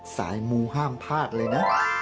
สายมูห้ามพลาดเลยนะ